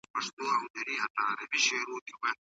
د حکومت مطالبه باید د انصاف په اساس وي.